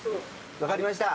分かりました。